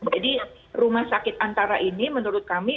jadi rumah sakit antara ini menurut kami